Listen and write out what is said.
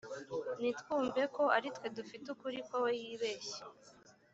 ntitwumve ko ari twe dufite ukuri ko we yibeshya